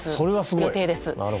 予定です。